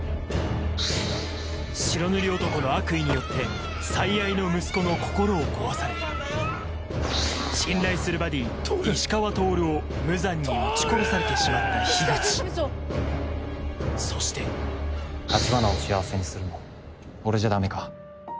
白塗り男の悪意によって最愛の息子の心を壊され信頼するバディ石川透を無残に撃ち殺されてしまった口そして橘を幸せにするの俺じゃダメか？